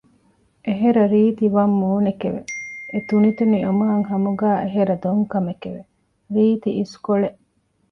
އެހެރަ ރީތި ވަށް މޫނެކެވެ! އެތުނިތުނި އޮމާން ހަމުގައި އެހެރަ ދޮން ކަމެކެވެ! ރީތި އިސްކޮޅެއް